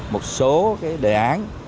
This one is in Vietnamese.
một số cái đề án